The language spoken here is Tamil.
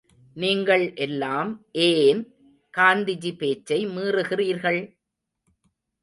நீங்கள் எல்லாம் ஏன் காந்திஜி பேச்சை மீறுகிறீர்கள்?